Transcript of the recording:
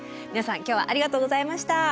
皆さん今日はありがとうございました。